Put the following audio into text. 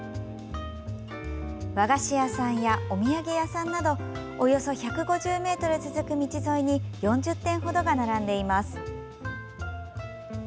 和菓子屋さんやお土産屋さんなどおよそ１５０ｍ続く道沿いに４０店ほどが並んでいます。